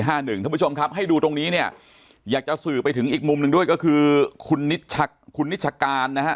ท่านผู้ชมครับให้ดูตรงนี้เนี่ยอยากจะสื่อไปถึงอีกมุมหนึ่งด้วยก็คือคุณนิชการนะฮะ